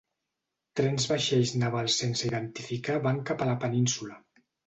Trens vaixells navals sense identificar van cap a la península.